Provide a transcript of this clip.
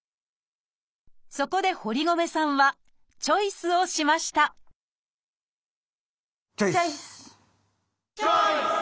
そこで堀米さんはチョイスをしましたチョイス！